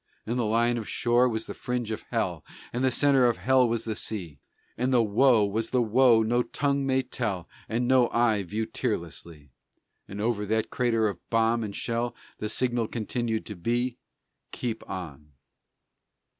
And the line of shore was the fringe of hell, And the centre of hell was the sea, And the woe was the woe no tongue may tell, And no eye view tearlessly, And over that crater of bomb and shell The signal continued to be: "Keep on."